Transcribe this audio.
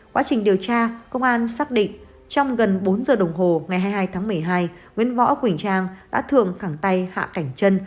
quá trình điều tra công an xác định trong gần bốn giờ đồng hồ ngày hai mươi hai tháng một mươi hai nguyễn võ quỳnh trang đã thường thẳng tay hạ cảnh chân